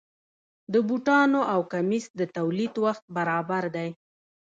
د بوټانو او کمیس د تولید وخت برابر دی.